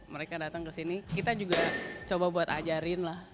mereka datang ke sini kita juga coba buat ajarin lah